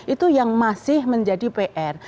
itu yang masih menjadi pr